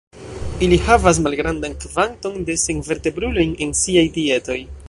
Ili havas malgrandan kvanton de senvertebrulojn en siaj dietoj.